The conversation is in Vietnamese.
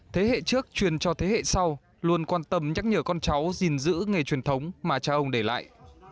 thế hệ trước truyền cho thế hệ sau luôn quan tâm nhắc nhở con cháu gìn giữ nghề truyền thống mà cha ông để lại